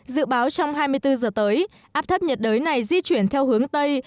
dự báo trong hai mươi bốn giờ tới áp thấp nhiệt đới này di chuyển theo hướng tây